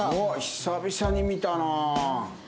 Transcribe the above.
久々に見たな。